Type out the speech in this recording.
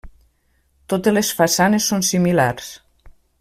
Totes les façanes són similars.